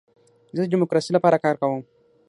زه د ډیموکراسۍ لپاره کار کوم.